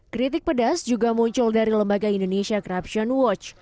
kritik pedas juga muncul dari lembaga indonesia corruption watch